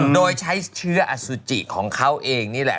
โดยใช้เชื้ออสุจิของเขาเองนี่แหละ